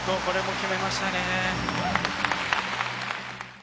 これも決めましたね。